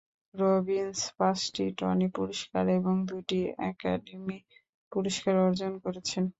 Robbins পাঁচটি Tony পুরস্কার এবং দুটি একাডেমি পুরস্কার অর্জন করেছেন।